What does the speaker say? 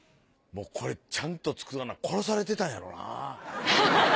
これちゃんと作らな殺されてたんやろな。